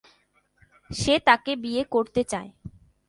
সে তাকে বিয়ে করতে চায়।